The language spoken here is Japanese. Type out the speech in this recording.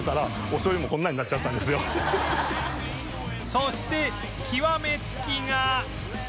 そして極めつきが